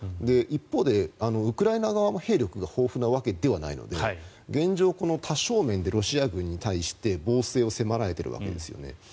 一方でウクライナ側も兵力が豊富なわけではないので現状、多少面でロシア軍に対して防戦を迫られているわけですね。